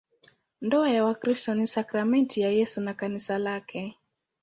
Ndoa ya Wakristo ni sakramenti ya Yesu na Kanisa lake.